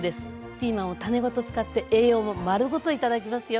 ピーマンを種ごと使って栄養も丸ごと頂きますよ。